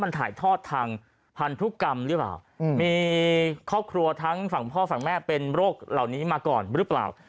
มันถ่ายทอดทางพันธุกรรมหรือเปล่ามีครอบครัวทั้งฝั่งพ่อฝั่งแม่เป็นโรคเหล่านี้มาก่อนหรือเปล่า